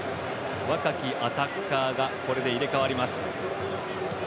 若きアタッカーがこれで入れ代わります。